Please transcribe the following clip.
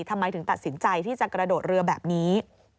ทำไมถึงตัดสินใจที่จะกระโดดเรือแบบนี้